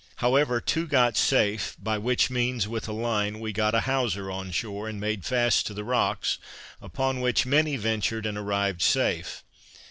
However, two got safe; by which means, with a line, we got a hawser on shore, and made fast to the rocks, upon which many ventured and arrived safe.